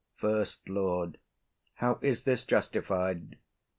SECOND LORD. How is this justified?